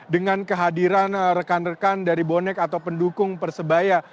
dengan kehadiran rekan rekan dari bonek atau pendukung persebaya